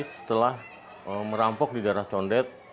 setelah merampok di darah condet